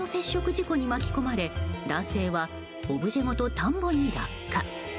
事故に巻き込まれ男性はオブジェごと田んぼに落下。